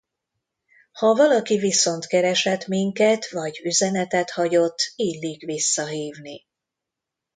Ha valaki viszont keresett minket, vagy üzenetet hagyott, illik visszahívni.